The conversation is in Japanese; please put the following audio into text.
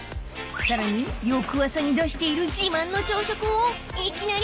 ［さらに翌朝に出している自慢の朝食を］